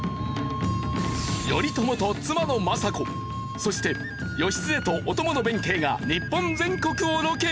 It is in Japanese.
頼朝と妻の政子そして義経とお供の弁慶が日本全国をロケ！